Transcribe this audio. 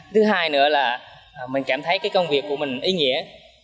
thứ hai nữa là mình cảm thấy cái công việc của mình ý nghĩa